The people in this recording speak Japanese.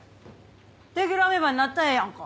レギュラーメンバーになったらええやんか。